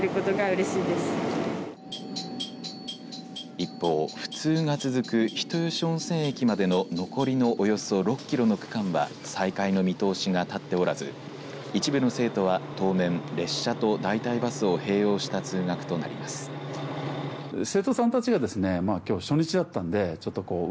一方、不通が続く人吉温泉駅までの残りのおよそ６キロの区間は再開の見通しが立っておらず一部の生徒は当面列車と代替バスを併用した通学となります。